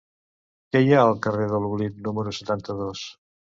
Què hi ha al carrer de l'Oblit número setanta-dos?